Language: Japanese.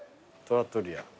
トラットリア。